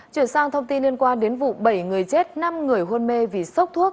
chuyển sang thông tin liên quan đến vụ bảy người chết năm người hôn mê vì sốc thuốc